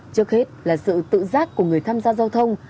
trước hết là sự tự giác của người tham gia giao thông